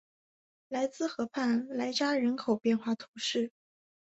莱兹河畔莱扎人口变化图示